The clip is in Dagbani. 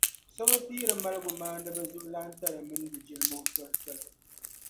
So bi piiri maligumaaniba zuɣulantali mini di jilima o tolitoli.